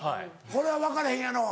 これは分からへんやろ？